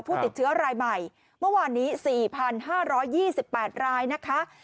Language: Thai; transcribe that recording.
ผู้ติดเชื้อรายใหม่เมื่อวานนี้๔๕๒๘รายนะคะ